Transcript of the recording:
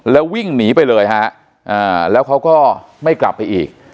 แล้ววิ่งหนีไปเลยฮะแล้วเขาก็ไม่กลับไปอีก